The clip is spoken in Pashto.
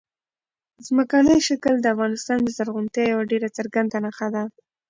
ځمکنی شکل د افغانستان د زرغونتیا یوه ډېره څرګنده نښه ده.